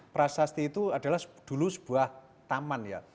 prasasti itu adalah dulu sebuah taman ya